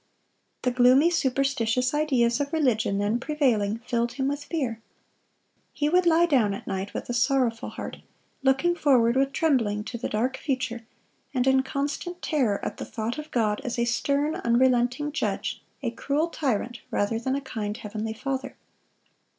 The gloomy, superstitious ideas of religion then prevailing filled him with fear. He would lie down at night with a sorrowful heart, looking forward with trembling to the dark future, and in constant terror at the thought of God as a stern, unrelenting judge, a cruel tyrant, rather than a kind heavenly Father.